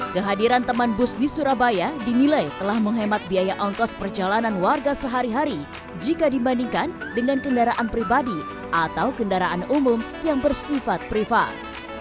kehadiran teman bus di surabaya dinilai telah menghemat biaya ongkos perjalanan warga sehari hari jika dibandingkan dengan kendaraan pribadi atau kendaraan umum yang bersifat privat